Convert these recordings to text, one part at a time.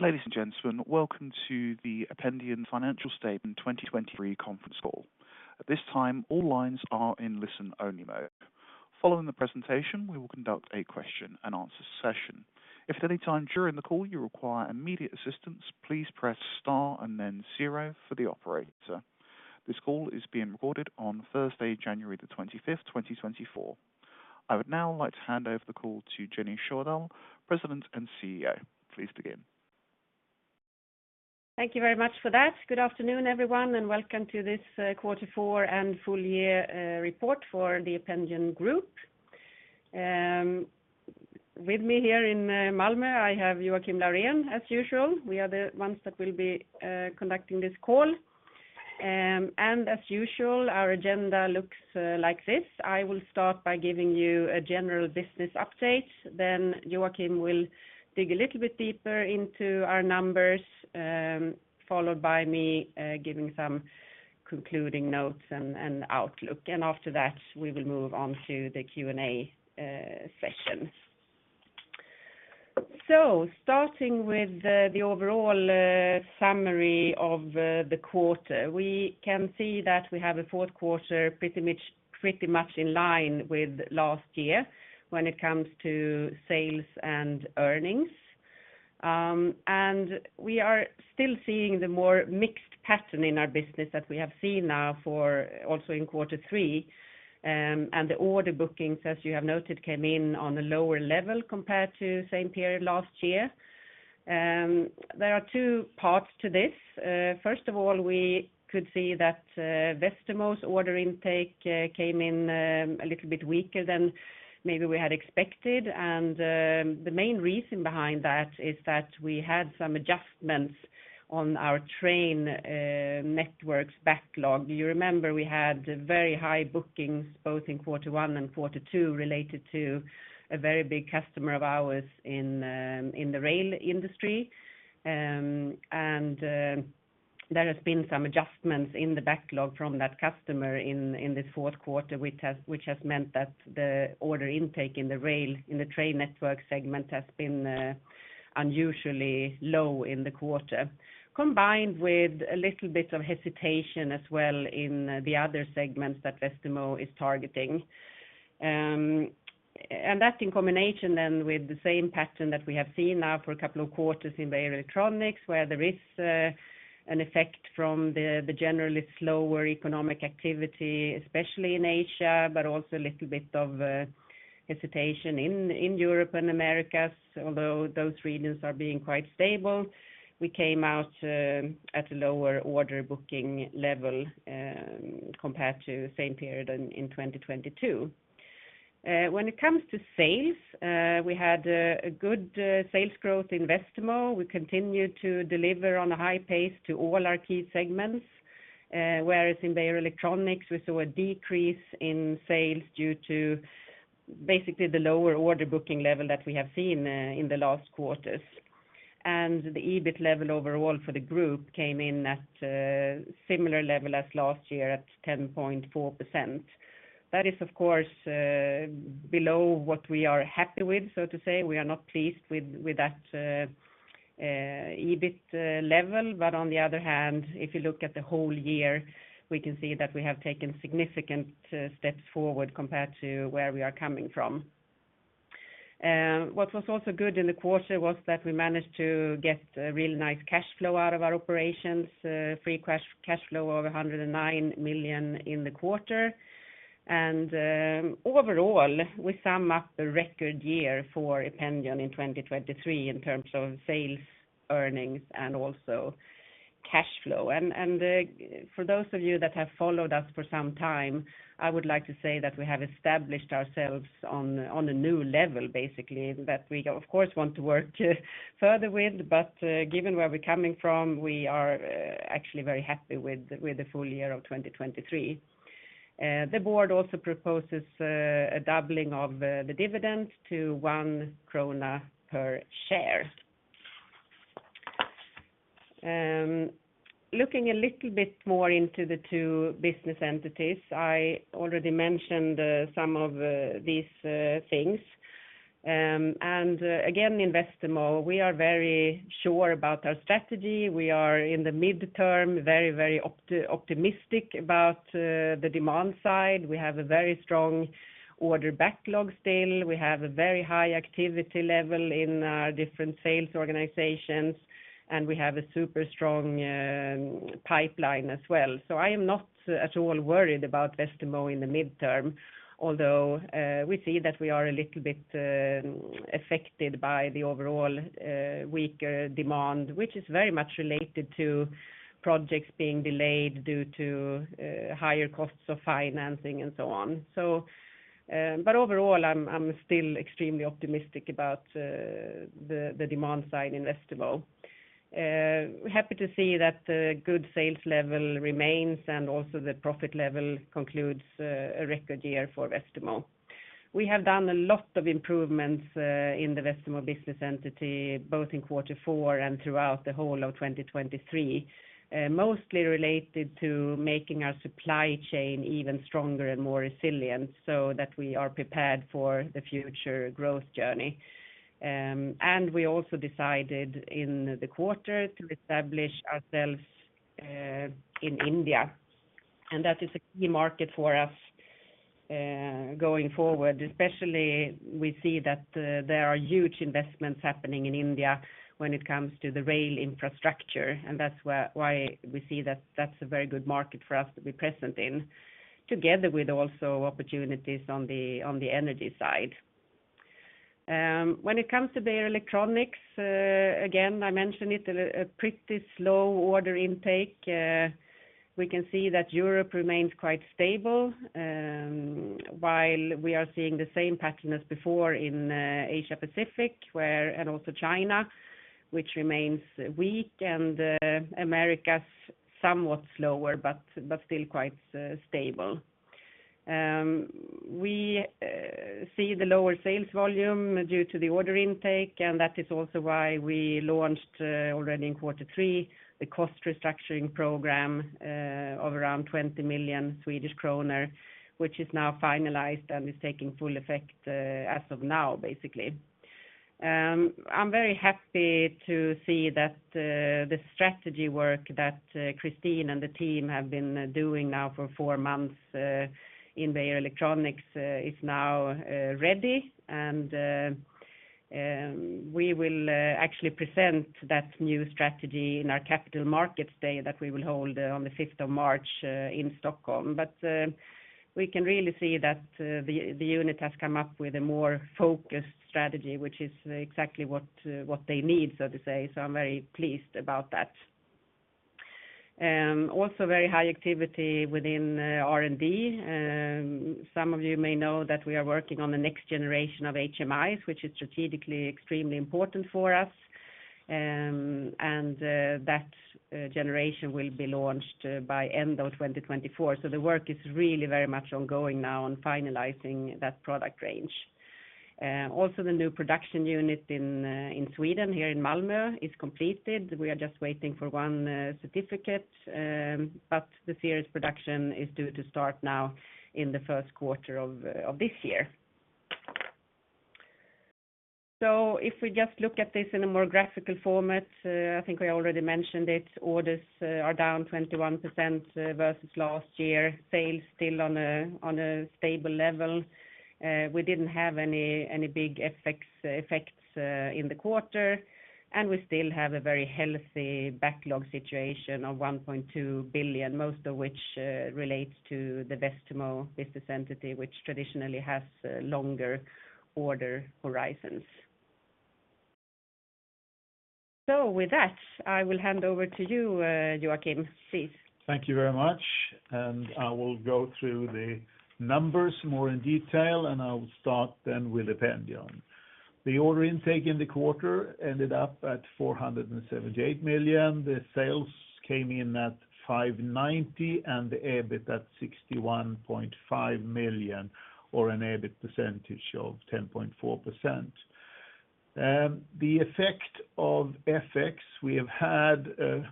Ladies and gentlemen, welcome to the Ependion financial statement 2023 conference call. At this time, all lines are in listen-only mode. Following the presentation, we will conduct a question and answer session. If at any time during the call you require immediate assistance, please press Star and then zero for the operator. This call is being recorded on Thursday, January the 25th, 2024. I would now like to hand over the call to Jenny Sjödahl, President and CEO. Please begin. Thank you very much for that. Good afternoon, everyone, and welcome to this quarter four and full year report for the Ependion Group. With me here in Malmö, I have Joakim Laurén, as usual. We are the ones that will be conducting this call. And as usual, our agenda looks like this. I will start by giving you a general business update. Then Joakim will dig a little bit deeper into our numbers, followed by me giving some concluding notes and outlook. And after that, we will move on to the Q&A session. So starting with the overall summary of the quarter, we can see that we have a fourth quarter pretty much in line with last year when it comes to sales and earnings. And we are still seeing the more mixed pattern in our business that we have seen now for also in quarter three. And the order bookings, as you have noted, came in on a lower level compared to same period last year. There are two parts to this. First of all, we could see that Westermo's order intake came in a little bit weaker than maybe we had expected. The main reason behind that is that we had some adjustments on our train networks backlog. You remember we had very high bookings both in quarter one and quarter two, related to a very big customer of ours in the rail industry. There has been some adjustments in the backlog from that customer in this fourth quarter, which has meant that the order intake in the rail, in the train network segment has been unusually low in the quarter, combined with a little bit of hesitation as well in the other segments that Westermo is targeting. And that in combination then with the same pattern that we have seen now for a couple of quarters in Beijer Electronics, where there is an effect from the generally slower economic activity, especially in Asia, but also a little bit of hesitation in Europe and Americas, although those regions are being quite stable. We came out at a lower order booking level compared to the same period in 2022. When it comes to sales, we had a good sales growth in Westermo. We continued to deliver on a high pace to all our key segments, whereas in Beijer Electronics, we saw a decrease in sales due to basically the lower order booking level that we have seen in the last quarters. The EBIT level overall for the group came in at similar level as last year, at 10.4%. That is, of course, below what we are happy with, so to say. We are not pleased with that EBIT level. But on the other hand, if you look at the whole year, we can see that we have taken significant steps forward compared to where we are coming from. What was also good in the quarter was that we managed to get a really nice cash flow out of our operations, free cash flow of 109 million in the quarter. Overall, we sum up a record year for Ependion in 2023 in terms of sales, earnings, and also cash flow. For those of you that have followed us for some time, I would like to say that we have established ourselves on a new level, basically, that we of course want to work further with. But given where we're coming from, we are actually very happy with the full year of 2023. The Board also proposes a doubling of the dividend to 1 krona per share. Looking a little bit more into the two business entities, I already mentioned some of these things. And again, in Westermo, we are very sure about our strategy. We are in the mid-term, very, very optimistic about the demand side. We have a very strong order backlog still. We have a very high activity level in our different sales organizations, and we have a super strong pipeline as well. So I am not at all worried about Westermo in the mid-term, although we see that we are a little bit affected by the overall weaker demand, which is very much related to projects being delayed due to higher costs of financing and so on. So, but overall, I'm, I'm still extremely optimistic about the, the demand side in Westermo. Happy to see that the good sales level remains, and also the profit level concludes a record year for Westermo. We have done a lot of improvements in the Westermo business entity, both in quarter four and throughout the whole of 2023, mostly related to making our supply chain even stronger and more resilient so that we are prepared for the future growth journey. And we also decided in the quarter to establish ourselves in India. And that is a key market for us going forward. Especially, we see that there are huge investments happening in India when it comes to the rail infrastructure, and that's why we see that that's a very good market for us to be present in, together with also opportunities on the energy side. When it comes to Beijer Electronics, again, I mentioned it, a pretty slow order intake. We can see that Europe remains quite stable, while we are seeing the same pattern as before in Asia Pacific, where and also China, which remains weak, and Americas somewhat slower, but still quite stable. We see the lower sales volume due to the order intake, and that is also why we launched already in quarter three the cost restructuring program of around 20 million Swedish kronor, which is now finalized and is taking full effect as of now, basically. I'm very happy to see that the strategy work that Kristine and the team have been doing now for four months in Beijer Electronics is now ready. We will actually present that new strategy in our Capital Markets Day that we will hold on the fifth of March in Stockholm. But we can really see that the unit has come up with a more focused strategy, which is exactly what they need, so to say, so I'm very pleased about that. Also very high activity within R&D. Some of you may know that we are working on the next generation of HMIs, which is strategically extremely important for us. And that generation will be launched by end of 2024. So the work is really very much ongoing now on finalizing that product range. Also the new production unit in Sweden, here in Malmö, is completed. We are just waiting for one certificate, but the serious production is due to start now in the first quarter of this year. So if we just look at this in a more graphical format, I think I already mentioned it, orders are down 21% versus last year. Sales still on a stable level. We didn't have any big effects in the quarter, and we still have a very healthy backlog situation of 1.2 billion, most of which relates to the Westermo business entity, which traditionally has longer order horizons. So with that, I will hand over to you, Joakim. Please. Thank you very much, and I will go through the numbers more in detail, and I'll start then with Ependion. The order intake in the quarter ended up at 478 million. The sales came in at 590 million, and the EBIT at 61.5 million, or an EBIT percentage of 10.4%. The effect of FX, we have had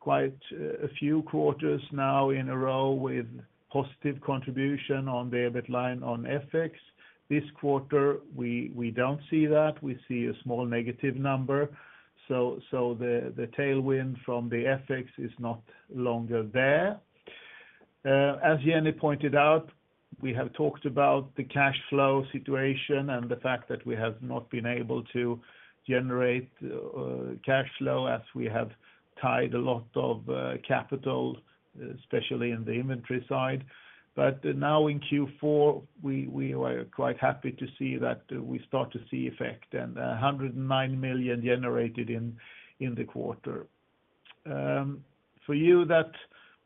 quite a few quarters now in a row with positive contribution on the EBIT line on FX. This quarter, we don't see that. We see a small negative number, so the tailwind from the FX is not longer there. As Jenny pointed out, we have talked about the cash flow situation and the fact that we have not been able to generate cash flow, as we have tied a lot of capital, especially in the inventory side. But now in Q4, we were quite happy to see that we start to see effect, and 109 million generated in the quarter. For you that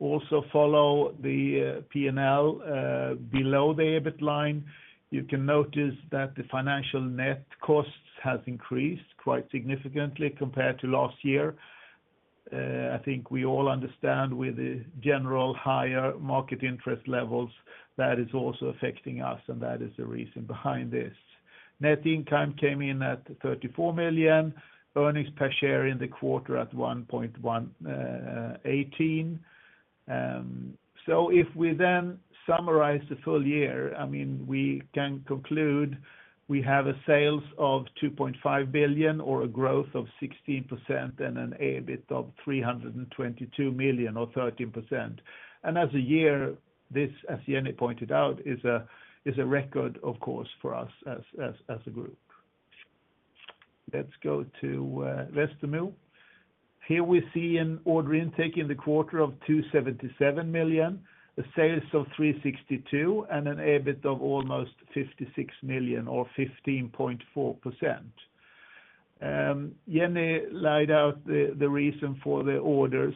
also follow the P&L below the EBIT line, you can notice that the financial net costs has increased quite significantly compared to last year. I think we all understand with the general higher market interest levels, that is also affecting us, and that is the reason behind this. Net income came in at 34 million, earnings per share in the quarter at 1.18. So if we then summarize the full year, I mean, we can conclude we have sales of 2.5 billion or a growth of 16% and an EBIT of 322 million, or 13%. As a year, as Jenny pointed out, is a record, of course, for us as a group. Let's go to Westermo. Here we see an order intake in the quarter of 277 million, a sales of 362 million, and an EBIT of almost 56 million, or 15.4%. Jenny laid out the reason for the orders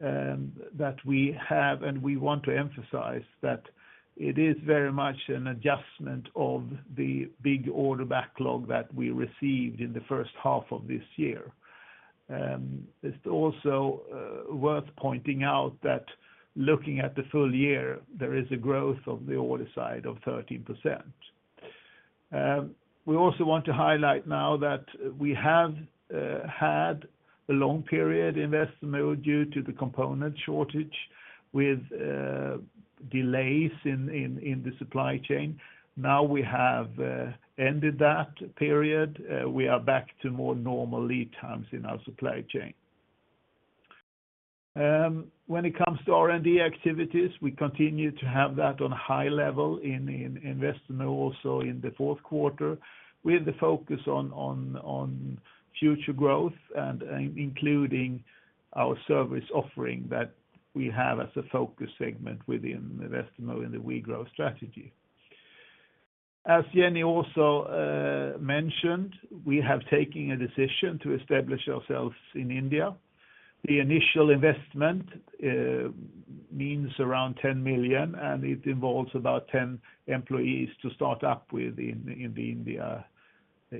that we have, and we want to emphasize that it is very much an adjustment of the big order backlog that we received in the first half of this year. It's also worth pointing out that looking at the full year, there is a growth on the order side of 13%. We also want to highlight now that we have had a long period in Westermo due to the component shortage with... Delays in the supply chain. Now we have ended that period, we are back to more normal lead times in our supply chain. When it comes to R&D activities, we continue to have that on a high level in Westermo, also in the fourth quarter, with the focus on future growth and including our service offering that we have as a focus segment within Westermo in the WeGrow strategy. As Jenny also mentioned, we have taken a decision to establish ourselves in India. The initial investment means around 10 million, and it involves about 10 employees to start up with in the India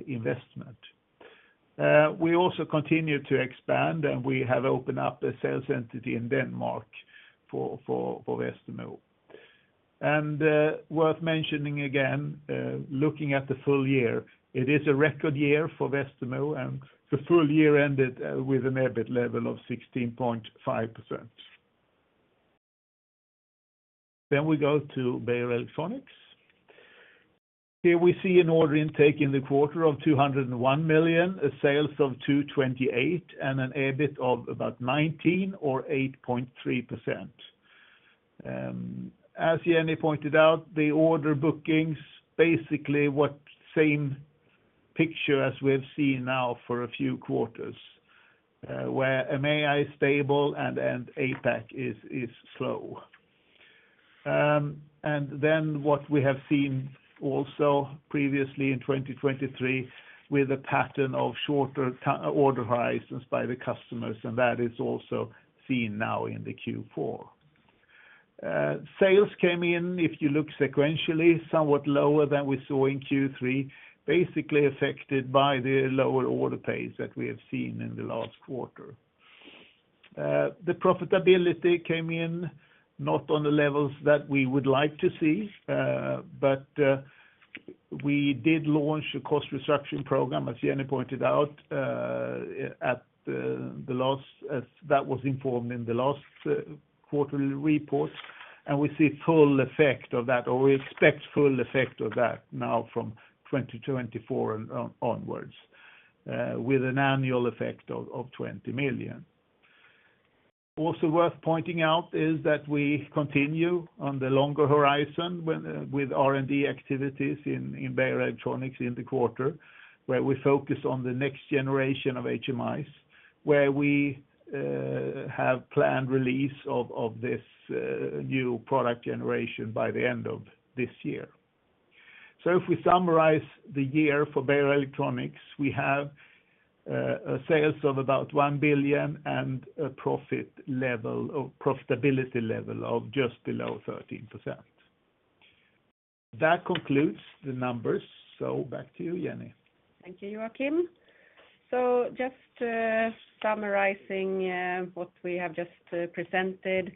investment. We also continue to expand, and we have opened up a sales entity in Denmark for Westermo. Worth mentioning again, looking at the full year, it is a record year for Westermo, and the full year ended with an EBIT level of 16.5%. Then we go to Beijer Electronics. Here we see an order intake in the quarter of 201 million, sales of 228 million, and an EBIT of about 19 or 8.3%. As Jenny pointed out, the order bookings basically the same picture as we have seen now for a few quarters, where Americas is stable and APAC is slow. And then what we have seen also previously in 2023, with a pattern of shorter order horizons by the customers, and that is also seen now in the Q4. Sales came in, if you look sequentially, somewhat lower than we saw in Q3, basically affected by the lower order pace that we have seen in the last quarter. The profitability came in not on the levels that we would like to see, but we did launch a cost reduction program, as Jenny pointed out, at the last, as that was informed in the last quarterly report. And we see full effect of that, or we expect full effect of that now from 2024 onwards, with an annual effect of 20 million. Also worth pointing out is that we continue on the longer horizon when with R&D activities in Beijer Electronics in the quarter, where we focus on the next generation of HMIs, where we have planned release of this new product generation by the end of this year. So if we summarize the year for Beijer Electronics, we have a sales of about 1 billion and a profit level, or profitability level of just below 13%. That concludes the numbers, so back to you, Jenny. Thank you, Joakim. So just summarizing what we have just presented,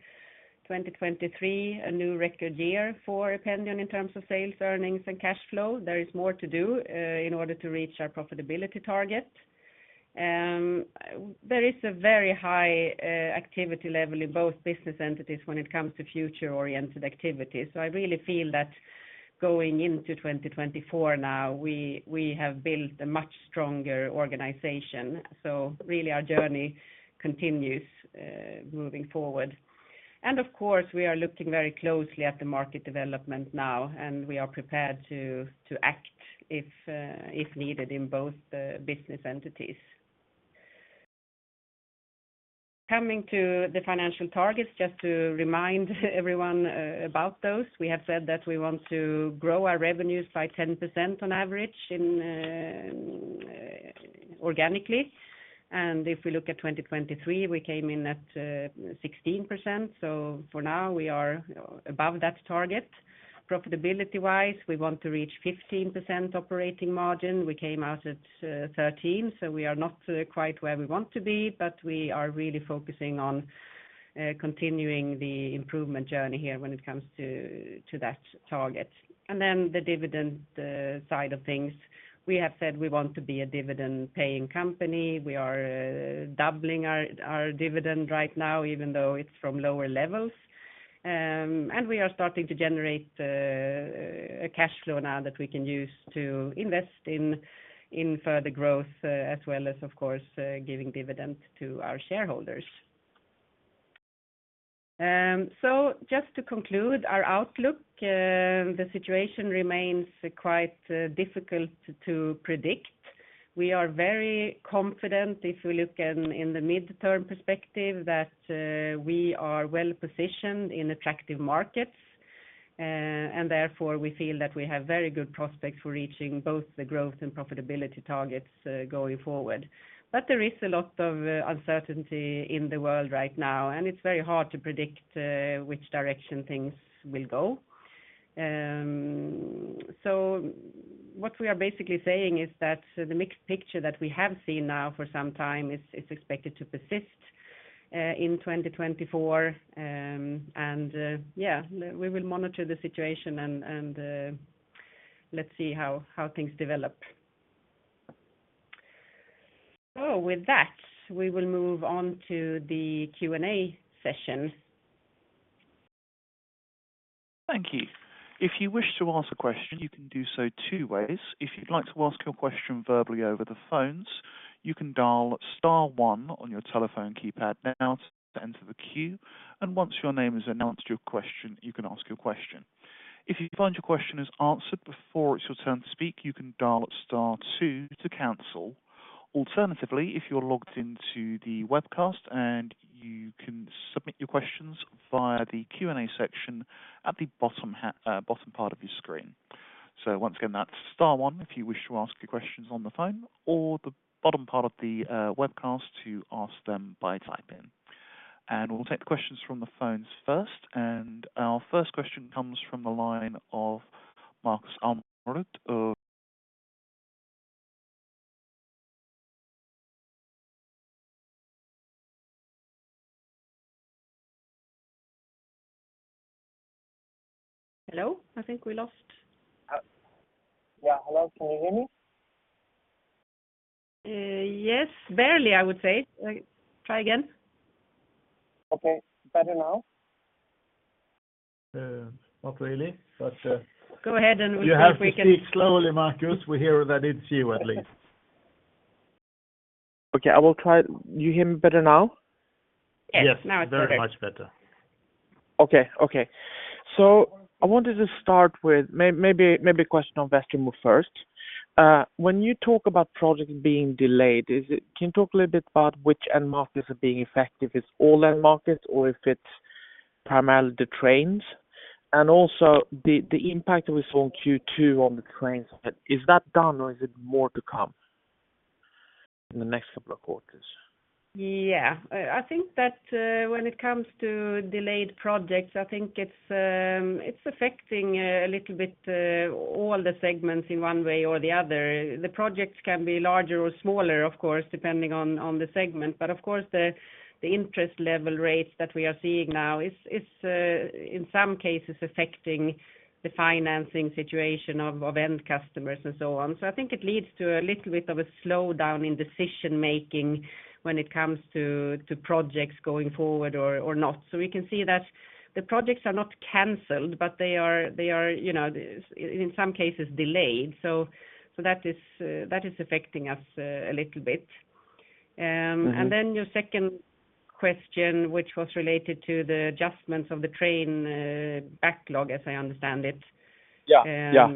2023, a new record year for Ependion in terms of sales, earnings, and cash flow. There is more to do in order to reach our profitability target. There is a very high activity level in both business entities when it comes to future-oriented activities. So I really feel that going into 2024 now, we have built a much stronger organization. So really, our journey continues moving forward. And of course, we are looking very closely at the market development now, and we are prepared to act if needed in both the business entities. Coming to the financial targets, just to remind everyone about those, we have said that we want to grow our revenues by 10% on average organically. If we look at 2023, we came in at 16%. So for now, we are above that target. Profitability-wise, we want to reach 15% operating margin. We came out at 13%, so we are not quite where we want to be, but we are really focusing on continuing the improvement journey here when it comes to that target. And then the dividend side of things. We have said we want to be a dividend-paying company. We are doubling our dividend right now, even though it's from lower levels. And we are starting to generate a cash flow now that we can use to invest in further growth as well as, of course, giving dividend to our shareholders. So just to conclude our outlook, the situation remains quite difficult to predict. We are very confident, if we look in the midterm perspective, that we are well positioned in attractive markets, and therefore, we feel that we have very good prospects for reaching both the growth and profitability targets, going forward. But there is a lot of uncertainty in the world right now, and it's very hard to predict which direction things will go. So what we are basically saying is that the mixed picture that we have seen now for some time is expected to persist in 2024. We will monitor the situation and let's see how things develop. So with that, we will move on to the Q&A session. Thank you. If you wish to ask a question, you can do so two ways. If you'd like to ask your question verbally over the phones, you can dial star one on your telephone keypad now to enter the queue, and once your name is announced your question, you can ask your question. If you find your question is answered before it's your turn to speak, you can dial star two to cancel. Alternatively, if you're logged into the webcast and you can submit your questions via the Q&A section at the bottom, bottom part of your screen. So once again, that's star one, if you wish to ask your questions on the phone or the bottom part of the webcast to ask them by typing in. And we'll take the questions from the phones first. Our first question comes from the line of Markus Almerud of Carnegie. Hello? I think we lost. Yeah, hello. Can you hear me? Yes. Barely, I would say. Try again. Okay, better now? Not really, but, Go ahead, and we hope we can- You have to speak slowly, Markus. We hear that it's you, at least. Okay, I will try. You hear me better now? Yes, now it's better. Yes, very much better. Okay, okay. So I wanted to start with maybe, maybe a question on Westermo first. When you talk about projects being delayed, can you talk a little bit about which end markets are being affected? It's all end markets, or if it's primarily the trains? And also the impact that we saw in Q2 on the train side, is that done, or is it more to come in the next couple of quarters? Yeah, I think that, when it comes to delayed projects, I think it's, it's affecting a little bit all the segments in one way or the other. The projects can be larger or smaller, of course, depending on the segment. But of course, the interest level rates that we are seeing now is in some cases affecting the financing situation of end customers and so on. So I think it leads to a little bit of a slowdown in decision making when it comes to projects going forward or not. So we can see that the projects are not canceled, but they are, you know, in some cases, delayed. So that is, that is affecting us a little bit. Your second question, which was related to the adjustments of the train backlog, as I understand it. Yeah, yeah.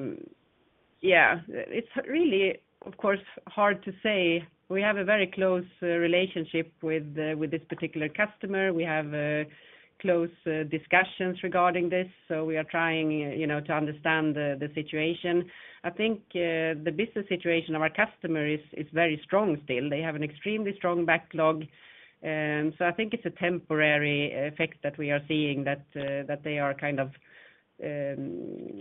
Yeah. It's really, of course, hard to say. We have a very close relationship with this particular customer. We have close discussions regarding this, so we are trying, you know, to understand the situation. I think the business situation of our customer is very strong still. They have an extremely strong backlog, so I think it's a temporary effect that we are seeing that they are kind of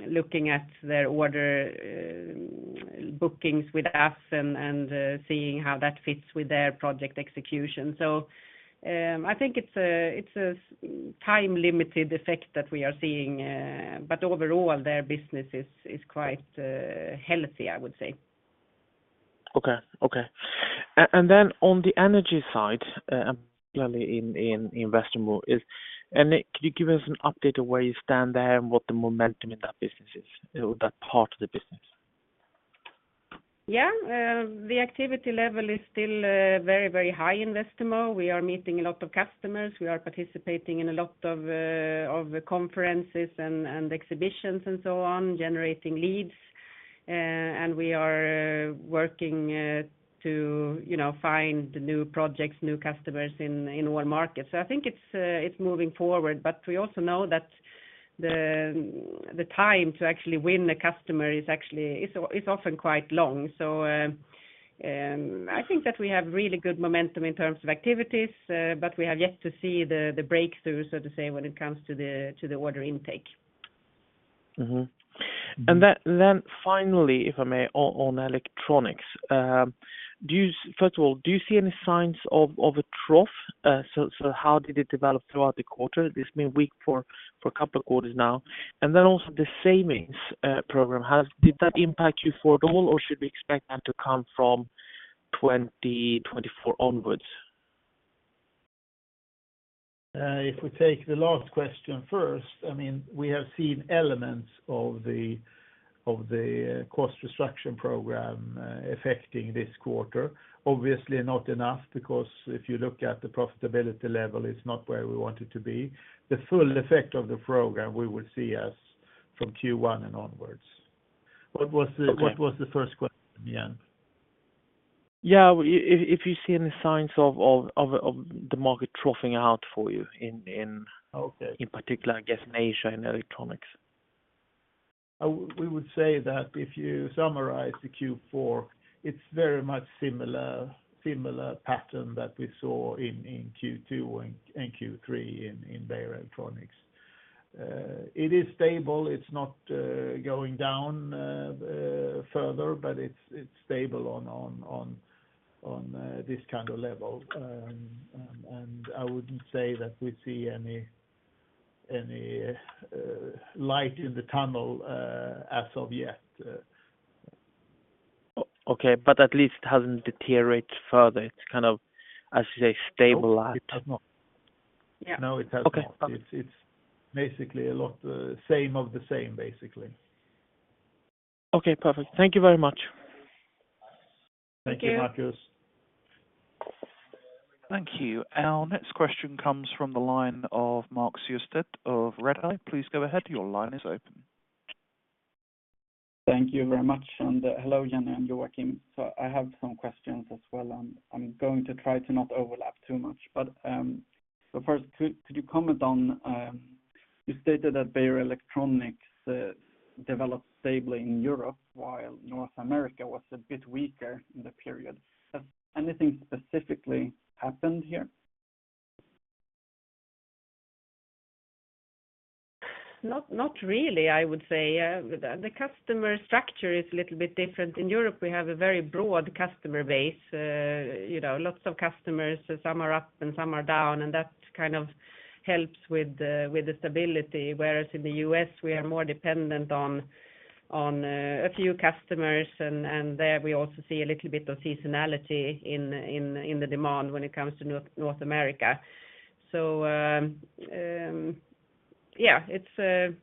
looking at their order bookings with us and seeing how that fits with their project execution. So, I think it's a time-limited effect that we are seeing, but overall, their business is quite healthy, I would say. Okay, okay. And then on the energy side, particularly in Westermo, and could you give us an update of where you stand there and what the momentum in that business is, or that part of the business? Yeah. The activity level is still very, very high in Westermo. We are meeting a lot of customers. We are participating in a lot of the conferences and exhibitions and so on, generating leads. And we are working to, you know, find new projects, new customers in one market. So I think it's moving forward, but we also know that the time to actually win a customer is actually often quite long. So I think that we have really good momentum in terms of activities, but we have yet to see the breakthrough, so to say, when it comes to the order intake. Then finally, if I may, on electronics, do you, first of all, do you see any signs of a trough? So, how did it develop throughout the quarter? This may be weak for a couple of quarters now. And then also the savings program, how did that impact you for it all, or should we expect that to come from 2024 onwards? If we take the last question first, I mean, we have seen elements of the cost reduction program affecting this quarter. Obviously, not enough, because if you look at the profitability level, it's not where we want it to be. The full effect of the program, we will see as from Q1 and onwards. Okay. What was the first question again? Yeah. If you see any signs of the market troughing out for you in- Okay. In particular, I guess, in Asia, in electronics. We would say that if you summarize the Q4, it's very much similar, similar pattern that we saw in Q2 and Q3 in Beijer Electronics. It is stable. It's not going down further, but it's stable on this kind of level. And I wouldn't say that we see any light in the tunnel as of yet. Okay, but at least it hasn't deteriorated further. It's kind of, I should say, stabilized. It has not. Yeah. No, it has not. Okay. It's, it's basically a lot, same of the same, basically. Okay, perfect. Thank you very much. Thank you. Thank you, Markus. Thank you. Our next question comes from the line of Mark Siöstedt of Redeye. Please go ahead. Your line is open. Thank you very much. Hello, Jenny and Joakim. I have some questions as well, and I'm going to try to not overlap too much. But first, could you comment on you stated that Beijer Electronics developed stably in Europe, while North America was a bit weaker in the period? Has anything specifically happened here? Not really, I would say. The customer structure is a little bit different. In Europe, we have a very broad customer base, you know, lots of customers, so some are up and some are down, and that kind of helps with the stability. Whereas in the U.S., we are more dependent on a few customers, and there, we also see a little bit of seasonality in the demand when it comes to North America. So, yeah, it's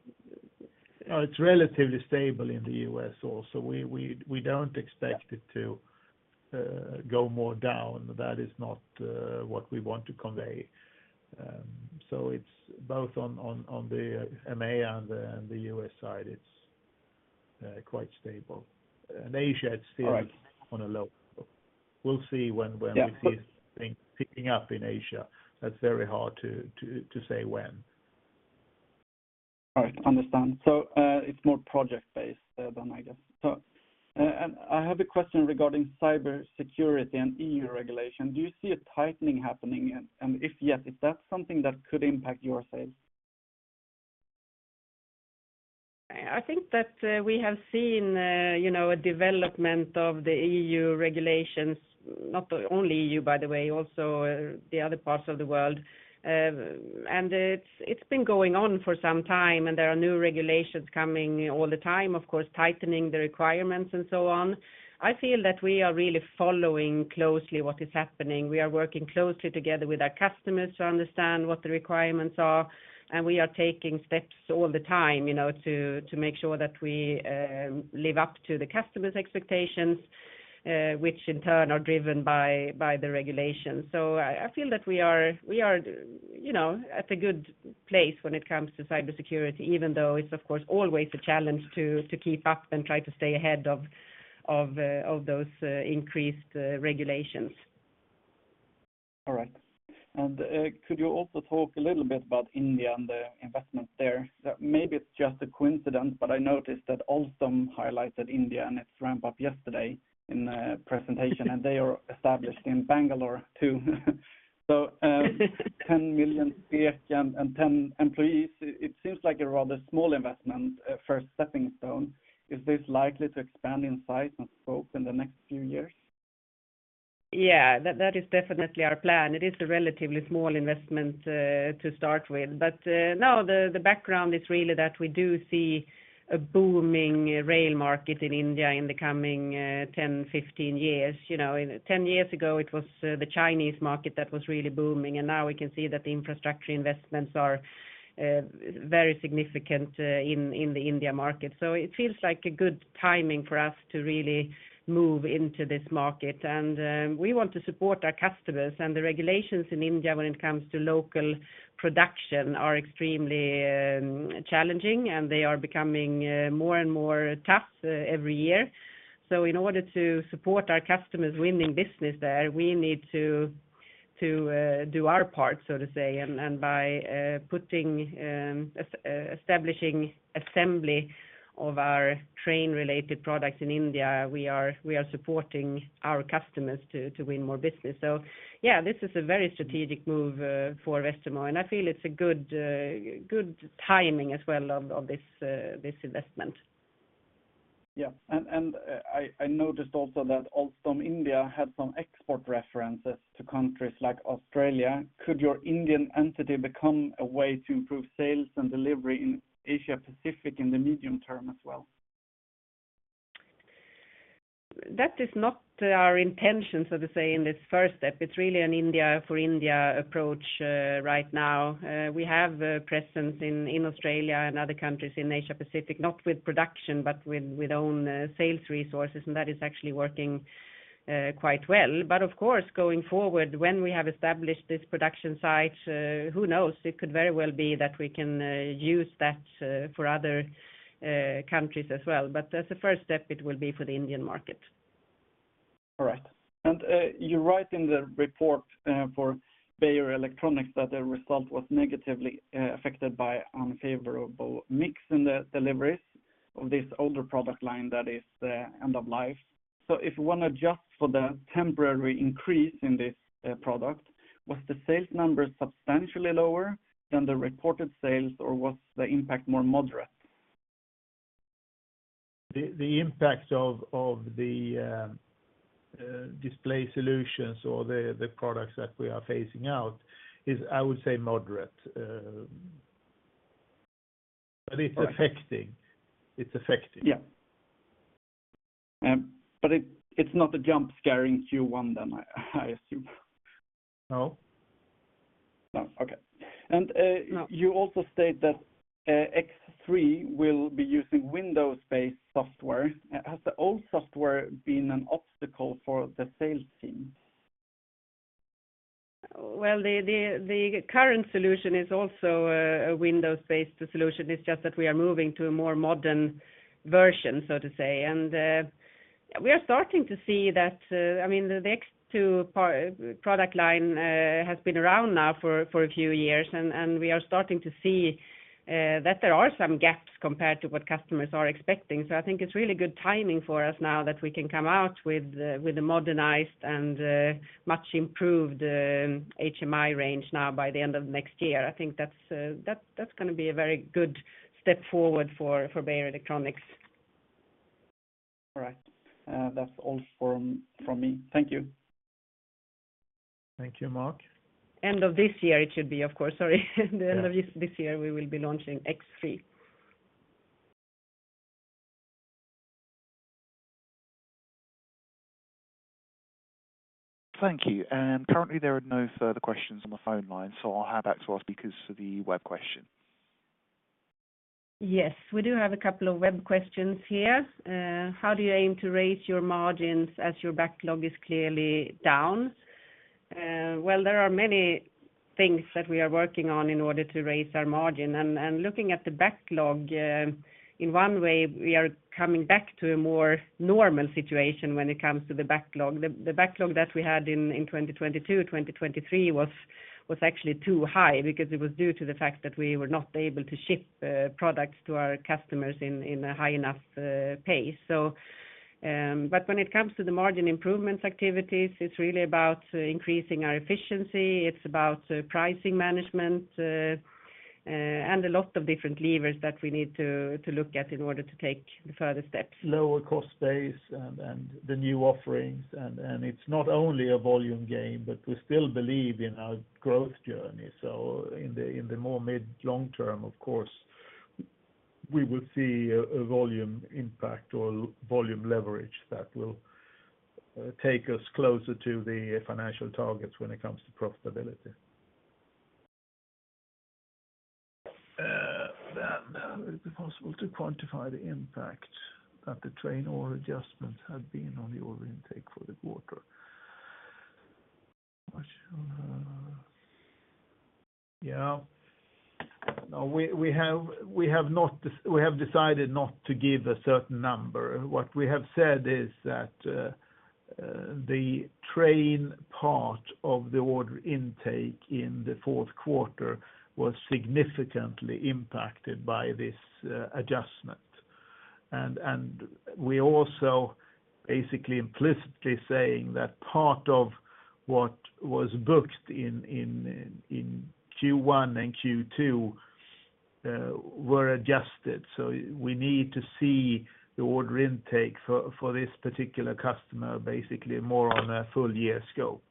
It's relatively stable in the U.S. also. We don't expect it to go more down. That is not what we want to convey. So it's both on the EMEA and the U.S. side, it's quite stable. In Asia, it's still- All right on a low. We'll see when. Yeah We see things picking up in Asia. That's very hard to say when. All right. Understand. So, it's more project-based than I guess. So, and I have a question regarding cybersecurity and EU regulation. Do you see a tightening happening? And, and if yes, is that something that could impact your sales? I think that, we have seen, you know, a development of the EU regulations, not only EU, by the way, also, the other parts of the world. And it's been going on for some time, and there are new regulations coming all the time, of course, tightening the requirements and so on. I feel that we are really following closely what is happening. We are working closely together with our customers to understand what the requirements are, and we are taking steps all the time, you know, to make sure that we live up to the customer's expectations, which in turn are driven by the regulations. I feel that we are, you know, at a good place when it comes to cybersecurity, even though it's, of course, always a challenge to keep up and try to stay ahead of those increased regulations. All right. And could you also talk a little bit about India and the investment there? Maybe it's just a coincidence, but I noticed that Alstom highlighted India and its ramp up yesterday in a presentation, and they are established in Bangalore, too. So, 10 million and 10 employees, it seems like a rather small investment for a stepping stone. Is this likely to expand in size and scope in the next few years? Yeah, that, that is definitely our plan. It is a relatively small investment to start with. But now, the background is really that we do see a booming rail market in India in the coming 10, 15 years. You know, 10 years ago, it was the Chinese market that was really booming, and now we can see that the infrastructure investments are very significant in the India market. So it feels like a good timing for us to really move into this market, and we want to support our customers. And the regulations in India when it comes to local production are extremely challenging, and they are becoming more and more tough every year. So in order to support our customers winning business there, we need to do our part, so to say, and by establishing assembly of our train-related products in India, we are supporting our customers to win more business. So yeah, this is a very strategic move for Westermo, and I feel it's a good timing as well of this investment. Yeah. And I noticed also that Alstom India had some export references to countries like Australia. Could your Indian entity become a way to improve sales and delivery in Asia Pacific in the medium term as well? That is not our intention, so to say, in this first step. It's really an India for India approach, right now. We have a presence in Australia and other countries in Asia Pacific, not with production, but with own sales resources, and that is actually working quite well. But of course, going forward, when we have established this production site, who knows? It could very well be that we can use that for other countries as well. But as a first step, it will be for the Indian market. All right. And, you write in the report, for Beijer Electronics that the result was negatively affected by unfavorable mix in the deliveries of this older product line that is the end of life. So if you want to adjust for the temporary increase in this product, was the sales numbers substantially lower than the reported sales, or was the impact more moderate? The impact of the display solutions or the products that we are phasing out is, I would say, moderate, but it's affecting. It's affecting. Yeah. But it, it's not a jump-starting Q1 then, I assume? No. No. Okay. And, No. You also state that, X3 will be using Windows-based software. Has the old software been an obstacle for the sales team? Well, the current solution is also a Windows-based solution. It's just that we are moving to a more modern version, so to say. And we are starting to see that, I mean, the X2 product line has been around now for a few years, and we are starting to see that there are some gaps compared to what customers are expecting. So I think it's really good timing for us now that we can come out with a modernized and much improved HMI range now by the end of next year. I think that's gonna be a very good step forward for Beijer Electronics. All right. That's all from me. Thank you. Thank you, Mark. End of this year, it should be, of course, sorry. The end of this year, we will be launching X3. Thank you. Currently, there are no further questions on the phone line, so I'll hand back to our speakers for the web question. Yes, we do have a couple of web questions here. How do you aim to raise your margins as your backlog is clearly down? Well, there are many things that we are working on in order to raise our margin. And looking at the backlog, in one way, we are coming back to a more normal situation when it comes to the backlog. The backlog that we had in 2022, 2023, was actually too high because it was due to the fact that we were not able to ship products to our customers in a high enough pace. But when it comes to the margin improvement activities, it's really about increasing our efficiency. It's about pricing management, and a lot of different levers that we need to look at in order to take the further steps. Lower cost base and the new offerings. It's not only a volume game, but we still believe in our growth journey. So in the more mid long term, of course, we will see a volume impact or volume leverage that will take us closer to the financial targets when it comes to profitability. Then would it be possible to quantify the impact that the train or adjustments have been on the order intake for the quarter? Yeah. No, we have not... We have decided not to give a certain number. What we have said is that the train part of the order intake in the fourth quarter was significantly impacted by this adjustment. And we also basically implicitly saying that part of what was booked in Q1 and Q2 were adjusted. So we need to see the order intake for this particular customer, basically more on a full year scope.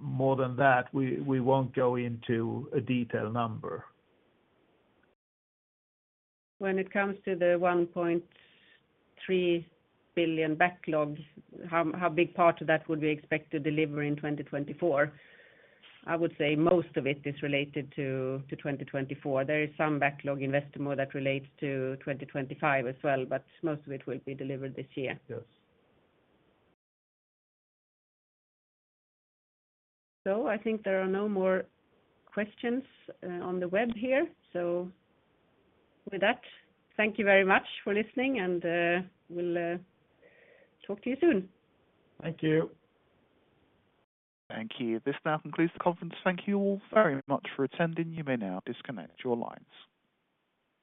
More than that, we won't go into a detailed number. When it comes to the 1.3 billion backlogs, how, how big part of that would we expect to deliver in 2024? I would say most of it is related to, to 2024. There is some backlog in Westermo that relates to 2025 as well, but most of it will be delivered this year. Yes. So I think there are no more questions on the web here. With that, thank you very much for listening, and we'll talk to you soon. Thank you. Thank you. This now concludes the conference. Thank you all very much for attending. You may now disconnect your lines.